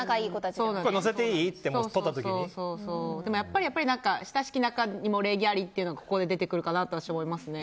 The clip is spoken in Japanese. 載せていい？ってでもやっぱり親しき仲にも礼儀ありっていうのがここで出てくるかなと思いますね。